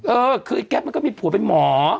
เออคือไอ้แก๊ปมันก็มีผัวเป็นหมอ